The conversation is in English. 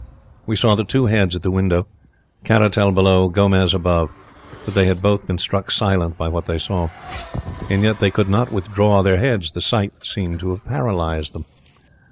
We saw the two heads at the window: Caratal below, Gomez above; but they had both been struck silent by what they saw. And yet they could not withdraw their heads. The sight seemed to have paralysed them.